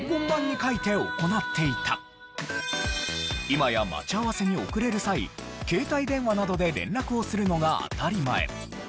今や待ち合わせに遅れる際携帯電話などで連絡をするのが当たり前。